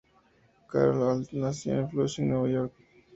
Carol Alt nació en Flushing, New York.